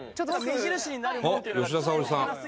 あっ吉田沙保里さん。